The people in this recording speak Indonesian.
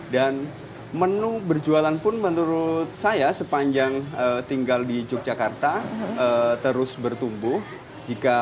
dan menu berjualan pun menurut saya sepanjang tinggal di yogyakarta terus bertumbuh jika